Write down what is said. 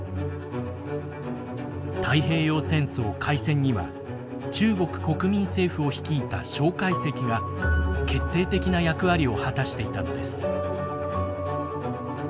太平洋戦争開戦には中国国民政府を率いた介石が決定的な役割を果たしていたのです。